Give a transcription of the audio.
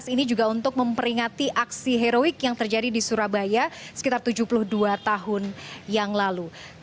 ini juga untuk memperingati aksi heroik yang terjadi di surabaya sekitar tujuh puluh dua tahun yang lalu